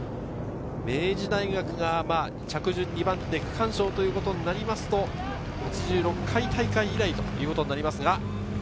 明治大学が着順２番手、区間賞ということになると８６回大会以来となります。